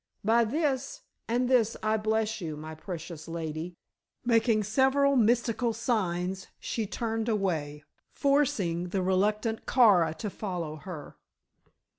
By this and this I bless you, my precious lady," making several mystical signs, she turned away, forcing the reluctant Kara to follow her.